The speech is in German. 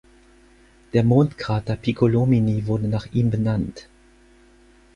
Der Mondkrater Piccolomini wurde nach ihm benannt.